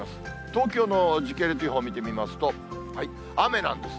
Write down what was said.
東京の時系列予報見てみますと、雨なんです。